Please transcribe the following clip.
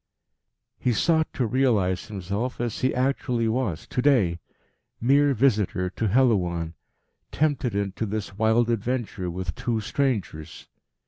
He sought to realise himself as he actually was to day mere visitor to Helouan, tempted into this wild adventure with two strangers.